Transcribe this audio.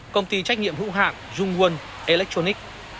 công ty trách nhiệm hữu hạng jungwon electronics